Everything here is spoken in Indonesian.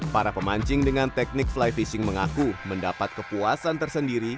para pemancing dengan teknik fly fishing mengaku mendapat kepuasan tersendiri